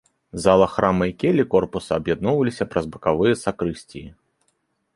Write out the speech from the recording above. Зала храма і келлі корпуса аб'ядноўваліся праз бакавыя сакрысціі.